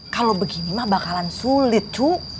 kalau begini mah bakalan sulit cu